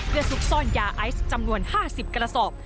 เพื่อซุกซ่อนยาไอซ์จำนวน๕๐กระสอบ